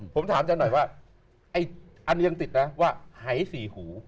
ผมถามจังหน่อยว่าไอ้อันนี้ยังติดนะว่าหายสี่หู